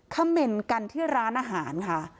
เขม่นกันที่ร้านอาหารค่ะ